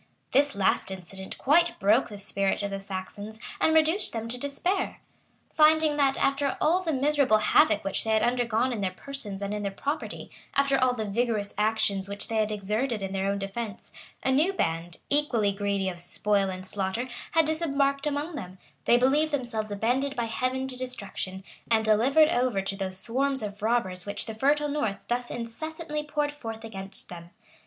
This last incident quite broke the spirit of the Saxons, and reduced them to despair. Finding that, after all the miserable havoc which they had undergone in their persons and in their property, after all the vigorous actions which they had exerted in their own defence, a new band, equally greedy of spoil and slaughter, had disembarked among them, they believed themselves abandoned by Heaven to destruction, and delivered over to those swarms of robbers which the fertile north thus incessantly poured forth against them.